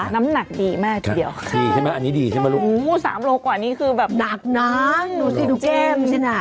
น้ำหนักดีมากทีเดียวค่ะโอ้โฮ๓โลกว่านี่คือแบบหนักนะดูสิดูแก้มใช่ไหม